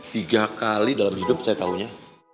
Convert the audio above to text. tiga kali dalam hidup saya tahunya